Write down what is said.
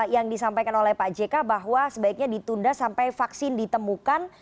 yang disampaikan oleh pak jk bahwa sebaiknya ditunda sampai vaksin ditemukan